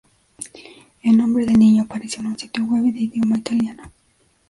El nombre del niño apareció en un sitio web de idioma italiano.